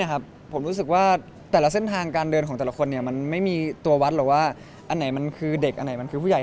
ผมรู้สึกว่าแต่ละเส้นทางการเดินของแต่ละคนมันไม่มีตัววัดหรอกว่าอันไหนมันคือเด็กอันไหนมันคือผู้ใหญ่